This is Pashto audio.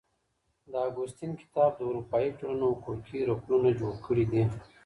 د اګوستين کتاب د اروپايي ټولنو حقوقي رکنونه جوړ کړي دي.